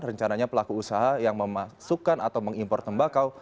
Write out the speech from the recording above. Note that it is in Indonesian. rencananya pelaku usaha yang memasukkan atau mengimpor tembakau